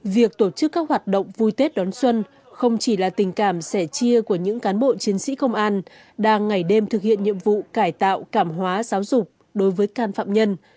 việc tổ chức các hoạt động vui tết đón xuân không chỉ là tình cảm sẻ chia của những cán bộ chiến sĩ công an đang ngày đêm thực hiện nhiệm vụ cải tạo cảm hóa giáo dục đối với can phạm nhân